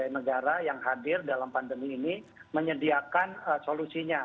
negara yang hadir dalam pandemi ini menyediakan solusinya